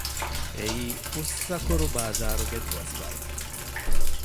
އެއީ އުއްސަކުރު ބާޒާރުގެ ދުވަސްވަރު